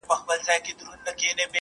په زرګونو مي لا نور یې پوروړی -